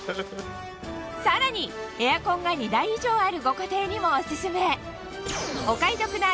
さらにエアコンが２台以上あるご家庭にもおすすめ